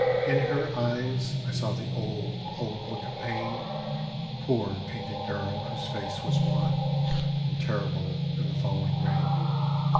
In her eyes I saw the old, old look of pain; Poor, painted girl whose face was wan And terrible in the falling rain.